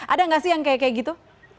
ada nggak sih yang kayak kayak gitu